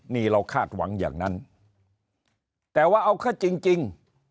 นี่เราคาดหวังอย่างนั้นแต่ว่าเอาเข้าจริง